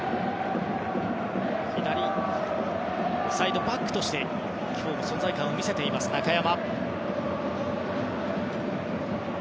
左サイドバックとして今日も存在感を見せている中山。